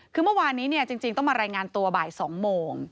คือเมื่อวานนี้จริงต้องมารายงานตัวบ่าย๒โมง